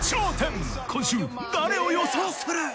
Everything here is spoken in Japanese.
今週誰を予想する？